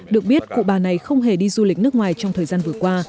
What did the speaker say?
được biết cụ bà này không hề đi du lịch nước ngoài trong thời gian vừa qua